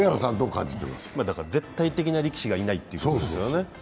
絶対的な力士がいないということですよね。